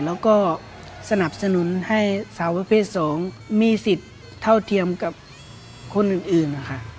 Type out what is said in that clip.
แล้วก็สนับสนุนให้สาวประเภท๒มีสิทธิ์เท่าเทียมกับคนอื่นนะคะ